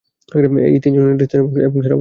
এই তিনজনই নেতৃস্থানীয় এবং সেনাপতির যোগ্য ছিলেন।